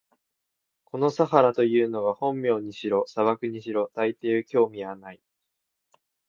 このサハラというのが本名にしろ、砂漠にしろ、たいして興味はない。